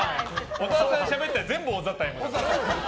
小沢さんがしゃべったら全部おざタイムだから。